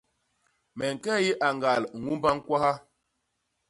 Me ñke i añgal ñumba ñkwaha.